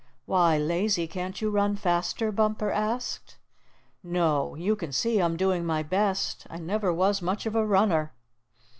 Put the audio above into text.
"Why, Lazy, can't you run faster?" Bumper asked. "No, you can see I'm doing my best. I never was much of a runner."